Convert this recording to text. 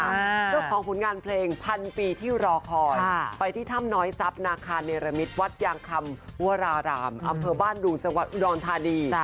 เจ้าของผลงานเพลงพันปีที่รอคอยไปที่ถ้ำน้อยทรัพย์นาคารเนรมิตวัดยางคำวรารามอำเภอบ้านดุงจังหวัดอุดรธานี